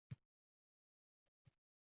Targ‘ibotchi uchun quvvat va madad muhim.